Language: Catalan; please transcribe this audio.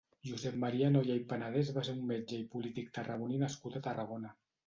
Josep Maria Nolla i Panadès va ser un metge i polític tarragoní nascut a Tarragona.